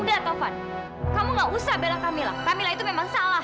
udah tovan kamu nggak usah bela kamila kamila itu memang salah